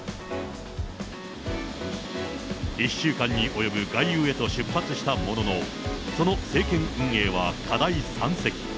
１週間に及ぶ外遊へと出発したものの、その政権運営は課題山積。